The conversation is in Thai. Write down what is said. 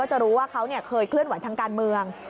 จะรู้ว่าเขาเคยเคลื่อนไหวทางการเมือง